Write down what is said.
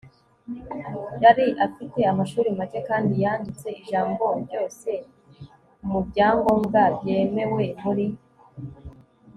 yari afite amashuri make kandi yanditse ijambo ryose mubyangombwa byemewe muri